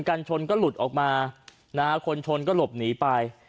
กันชนก็หลุดออกมานะฮะคนชนก็หลบหนีไป